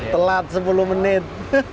telat sepuluh menit